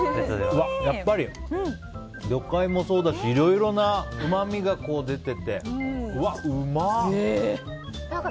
やっぱり魚介もそうだしいろいろなうまみが出ててうわ、うまっ！